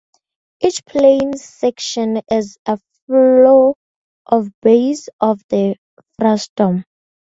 Each plane section is a floor or base of the frustum.